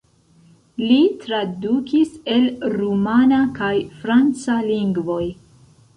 Li tradukis el rumana kaj franca lingvoj.